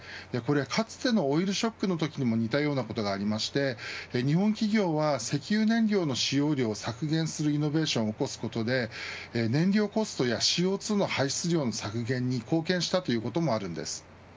かつてのオイルショックのときにも似たようなことがありまして日本企業は石油燃料の使用量を削減するイノベーションを起こすことで燃料コストやＣＯ２の排出量の削減に貢献したということもあります。